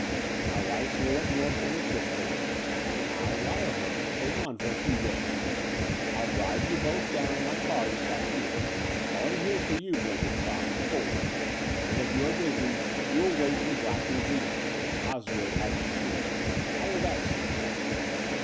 My wife's away up north with her sister; and I'll wire her to stay on for a few days. I'll drive you both down in my car this afternoon, calling here for you, Blenkinsopp, at four; and, if you are busy, we will wait in the Black Museum, if Osgood hasn't seen it. How will that suit